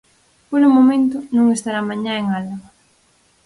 Polo momento, non estará mañá en Álava.